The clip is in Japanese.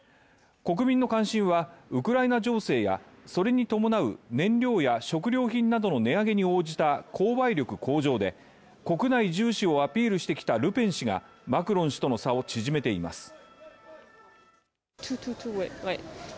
国民の関心はウクライナ情勢やそれに伴う燃料や食料品などの値上げに応じた「購買力向上」で、国内重視をアピールしてきたルペン氏がマクロン氏との差を縮めています。